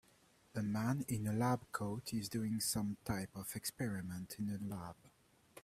A man in a lab coat is doing some type of experiment in a lab.